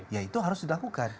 ya itu harus dilakukan